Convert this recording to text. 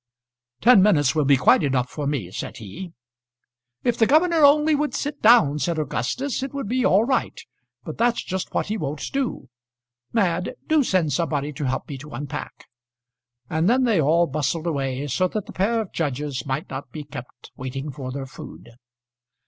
"Ten minutes will be quite enough for me," said he. "If the governor only would sit down," said Augustus, "it would be all right. But that's just what he won't do. Mad, do send somebody to help me to unpack." And then they all bustled away, so that the pair of judges might not be kept waiting for their food.